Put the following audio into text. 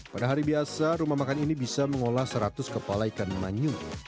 pada hari biasa rumah makan ini bisa mengolah seratus kepala ikan manyu